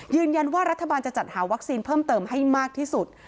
ยืนยันว่ารัฐบาลจะจัดหาวัคซีนเพิ่มเติมให้มากที่สุด